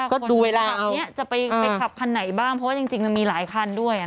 ก็ต้องดูว่าคนนี้จะไปขับคันไหนบ้างเพราะว่าจริงจะมีหลายคันด้วยนะฮะ